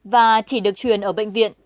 và chỉ được truyền ở bệnh viện